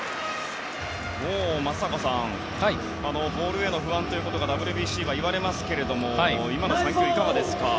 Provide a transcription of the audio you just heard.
松坂さんボールへの不安ということがＷＢＣはいわれますけども今の３球、いかがですか？